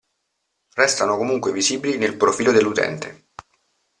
Restano comunque visibili nel profilo dell'utente.